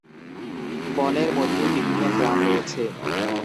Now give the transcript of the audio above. বনের মধ্যেই বিভিন্ন গ্রাম রয়েছে।